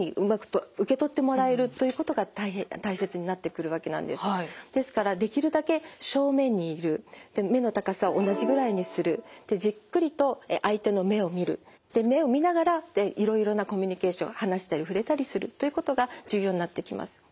ここで重要なことはですからそのために自分のですからできるだけ正面にいるで目の高さを同じぐらいにするでじっくりと相手の目を見るで目を見ながらいろいろなコミュニケーション話したり触れたりするということが重要になってきます。